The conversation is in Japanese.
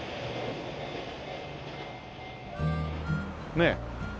ねえ。